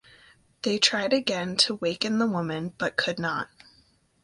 They tried again to waken the woman, but could not.